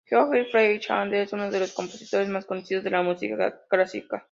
Georg Friedrich Händel es uno de los compositores más conocidos de la música clásica.